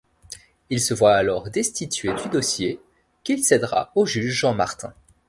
Il se voit alors destitué du dossier, qu'il cédera au juge Jean Martin.